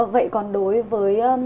vậy còn đối với